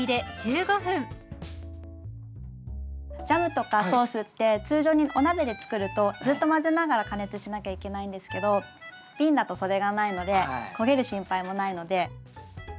ジャムとかソースって通常にお鍋で作るとずっと混ぜながら加熱しなきゃいけないんですけどびんだとそれがないので焦げる心配もないので。